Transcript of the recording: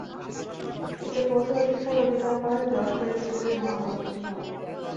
এতে প্রথম স্থান অধিকার করেন যশোরের ছেলে মোহাম্মদ সুমন।